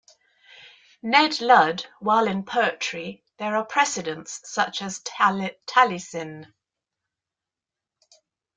Ned Ludd, while in poetry there are precedents such as Taliesin.